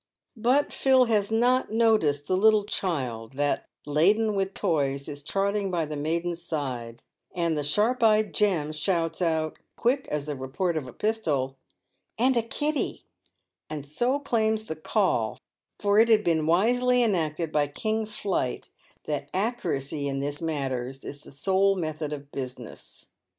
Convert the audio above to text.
Eut Phil has not noticed the little child that, laden with toys, is trotting by the maiden's side, and the sharp eyed Jem shouts out — quick as the report of a pistol —" And a kiddy," and so claims the " call," for it had been wisely enacted by King Plight that accuracy in these matters is the sole method of business.